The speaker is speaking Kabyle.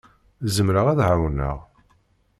Zemreɣ ad d-ɛawneɣ.